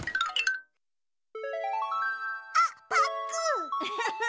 あっパックン！